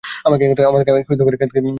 আমাকে এখান থেকে বের হতে দাও!